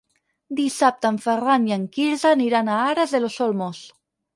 Dissabte en Ferran i en Quirze aniran a Aras de los Olmos.